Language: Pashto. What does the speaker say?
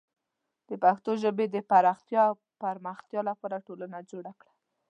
د پښتو ژبې د پراختیا او پرمختیا لپاره ټولنه جوړه کړه.